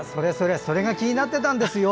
それが気になってたんですよ！